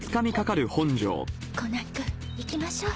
コナン君行きましょう。